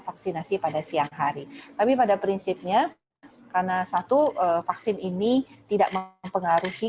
vaksinasi pada siang hari tapi pada prinsipnya karena satu vaksin ini tidak mempengaruhi